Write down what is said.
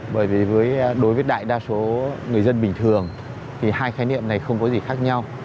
bởi vì đối với đại đa số người dân bình thường thì hai khái niệm này không có gì khác nhau